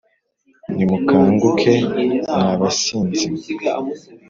Nimukanguke mwa basinzi mwe